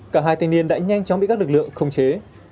cả hai thanh niên đã nhanh chóng bị các lực lượng khống chế